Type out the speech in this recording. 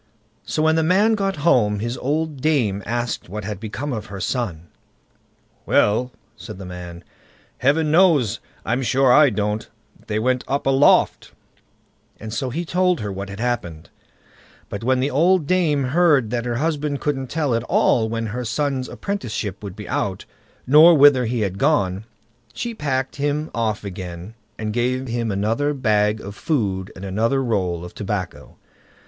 So when the man got home, his old dame asked what had become of her son. "Well", said the man, "Heaven knows, I'm sure I don't. They went up aloft"; and so he told her what had happened. But when the old dame heard that her husband couldn't tell at all when her son's apprenticeship would be out, nor whither he had gone, she packed him off again, and gave him another bag of food and another roll of tobacco.